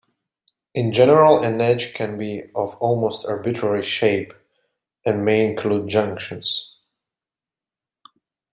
In general, an edge can be of almost arbitrary shape, and may include junctions.